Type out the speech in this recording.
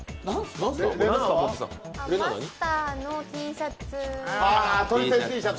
マスターのＴシャツ。